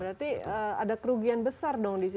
berarti ada kerugian besar dong di situ